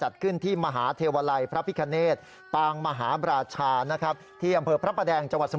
ด้วยเถิด